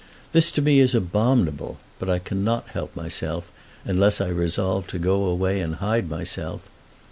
This to me is abominable, but I cannot help myself, unless I resolve to go away and hide myself.